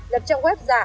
ba nhập trong web giả